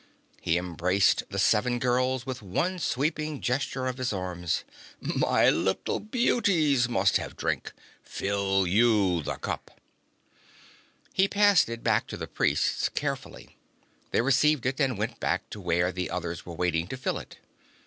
He embraced the seven girls with one sweeping gesture of his arms. "My little beauties must have drink! Fill you the cup!" He passed it back to the Priests carefully. They received it and went back to where the others were waiting to fill it.